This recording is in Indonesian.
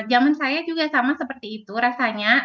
zaman saya juga sama seperti itu rasanya